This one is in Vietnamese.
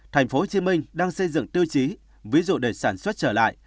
tp hcm đang xây dựng tiêu chí ví dụ để sản xuất trở lại